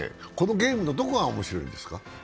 このゲームのどこがおもしろいんですか？